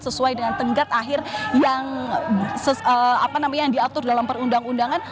sesuai dengan tenggat akhir yang diatur dalam perundang undangan